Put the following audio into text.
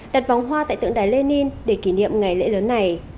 đặt vòng hoa tại tượng đài lenin để kỷ niệm ngày lễ lớn này